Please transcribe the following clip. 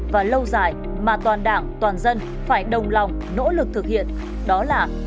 và lâu dài mà toàn đảng toàn dân phải đồng lòng nỗ lực thực hiện đó là